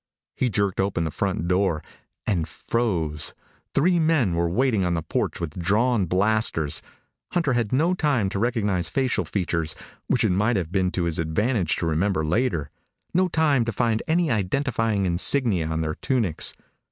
He jerked open the front door and froze. Three men were waiting on the porch with drawn blasters. Hunter had no time to recognize facial features which it might have been to his advantage to remember later, no time to find any identifying insignia on their tunics.